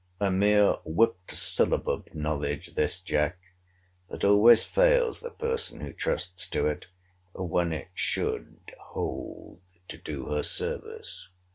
A mere whipt syllabub knowledge this, Jack, that always fails the person who trusts to it, when it should hold to do her service.